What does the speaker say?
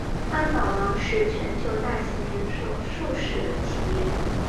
汉堡王是全球大型连锁速食企业。